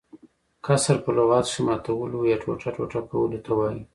کسر په لغت کښي ماتولو يا ټوټه - ټوټه کولو ته وايي.